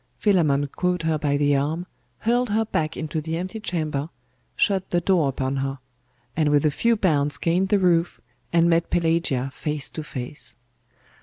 Philammon caught her by the arm, hurled her back into the empty chamber, shut the door upon her; and with a few bounds gained the roof, and met Pelagia face to face.